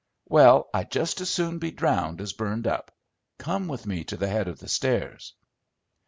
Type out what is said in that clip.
"Well, I'd just as soon be drowned as burned up. Come with me to the head of the stairs."